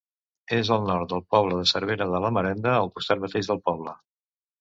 És al nord del poble de Cervera de la Marenda, al costat mateix del poble.